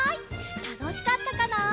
たのしかったかな？